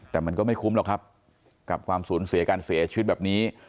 แต่มันก็ไม่คุ้มหรอกครับกับความสูญเสียการเสียชีวิตแบบนี้